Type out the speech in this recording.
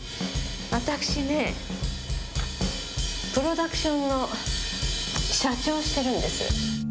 私ね、プロダクションの社長してるんです。